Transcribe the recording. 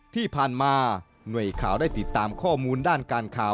ที่ผ่านมาหน่วยข่าวได้ติดตามข้อมูลด้านการข่าว